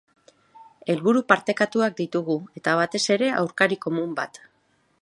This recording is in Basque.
Helburu partekatuak ditugu, eta batez ere aurkari komun bat.